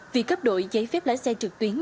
việc cấp đổi giấy phép lái xe trực tuyến